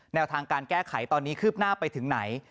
แนวทางการแก้ไขตอนนี้คืบหน้าไปถึงไหน